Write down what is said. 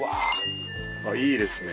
あっいいですね。